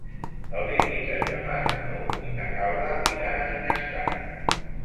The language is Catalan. El vint-i-tres de maig n'Hug i na Gal·la iran a Finestrat.